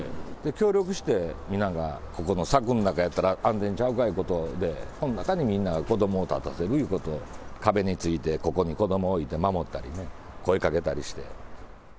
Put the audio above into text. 協力して、皆が、ここの柵の中やったら安全ちゃうかということで、この中にみんなを子ども立たせるということ、壁について、ここに子ども置いて守ったりね、声かけたりして。